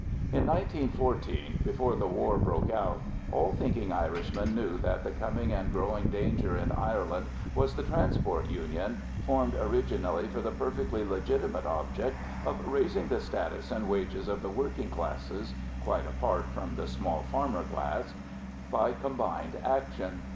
In 1914, before the war broke out, all thinking Irishmen knew that the coming and growing danger in Ireland was the Transport Union, formed originally for the perfectly legitimate object of raising the status and wages of the working classes (quite apart from the small farmer class) by combined action.